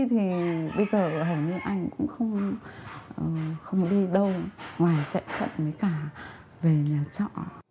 thì bây giờ hầu như anh cũng không đi đâu ngoài chạy thận mới cả về nhà chọ